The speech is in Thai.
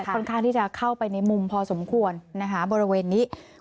ค่อนข้างที่จะเข้าไปในมุมพอสมควรนะคะบริเวณนี้